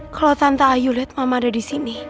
kalo tante ayu liat mama ada disini